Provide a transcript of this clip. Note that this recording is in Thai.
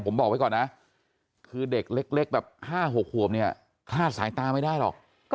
ผมบอกไว้ก่อนนะคือเด็กเล็กแบบ๕๖ขวบเนี่ยคลาดสายตาไม่ได้หรอก